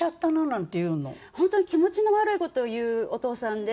本当に気持ちの悪い事を言うお父さんで